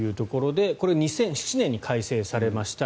これ、２００７年に改正されました。